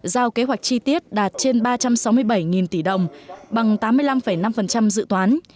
giao kế hoạch chi tiết đạt trên ba trăm sáu mươi bảy tỷ đồng bằng tám mươi năm năm dự toán